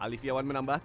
alif yawan menampungnya